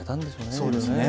そうですね。